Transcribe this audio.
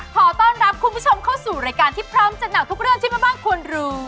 ขอต้อนรับคุณผู้ชมเข้าสู่รายการที่พร้อมจัดหนักทุกเรื่องที่แม่บ้านควรรู้